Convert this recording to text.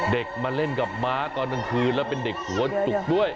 เด็กมาเล่นกับม้าตอนกลางคืนแล้วเป็นเด็กหัวจุกด้วย